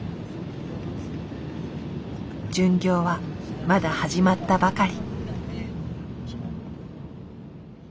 巡業はまだ始まったばかり。